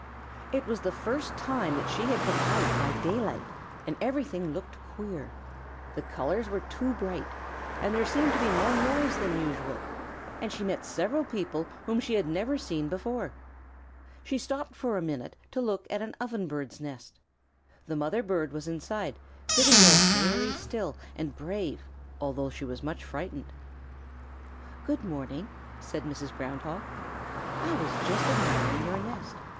It was the first time that she had been out by daylight, and everything looked queer. The colors looked too bright, and there seemed to be more noise than usual, and she met several people whom she had never seen before. She stopped for a minute to look at an Ovenbird's nest. The mother bird was inside, sitting there very still and brave, although she was much frightened. "Good morning," said Mrs. Ground Hog. "I was just admiring your nest.